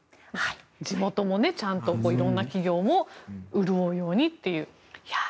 地元もちゃんと色んな企業も潤うようにという。